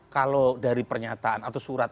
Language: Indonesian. kalau dari pernyataan atau surat